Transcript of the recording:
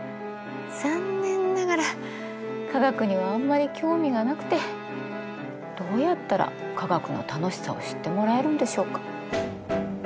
残念ながら科学にはあんまり興味がなくてどうやったら科学の楽しさを知ってもらえるんでしょうか。